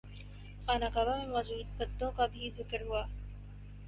خانہ کعبہ میں موجود بتوں کا بھی ذکر ہوا